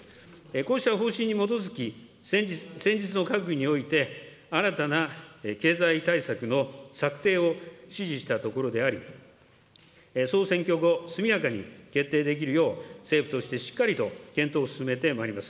こうした方針に基づき、先日の閣議において、新たな経済対策の策定を指示したところであり、総選挙後、速やかに決定できるよう、政府としてしっかりと検討を進めてまいります。